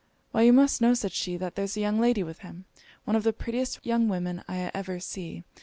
'Why you must know,' said she, 'that there's a young lady with him; one of the prettiest young women I ever see.